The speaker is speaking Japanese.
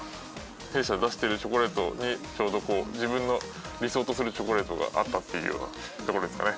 弊社で出してるチョコレートにちょうど自分の理想とするチョコレートがあったっていうようなとこですかね。